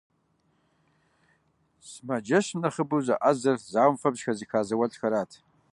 Сымаджэщым нэхъыбэу зэӀэзэр зауэм фэбжь хэзыха зауэлӀхэрат.